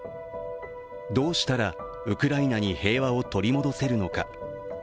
どうしたら、ウクライナに平和を取り戻せるのか。